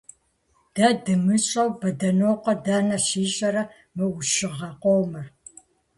Дэ дымыщӀэу, Бэдынокъуэ дэнэ щищӀэрэ мы Ӏущыгъэ къомыр?